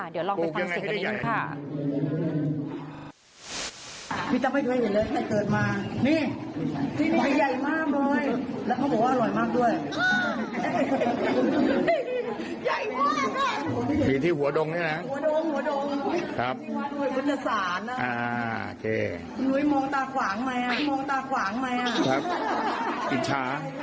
เดี๋ยวลองไปฟังเสียงกันค่ะ